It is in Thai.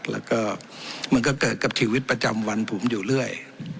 แล้วก็มันก็เกิดกับชีวิตประจำวันผมอยู่เรื่อย